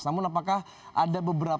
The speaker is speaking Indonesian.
namun apakah ada beberapa